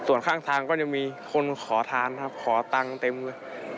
ส่วนข้างทางก็จะมีคนขอทานครับขอตังค์เต็มเลย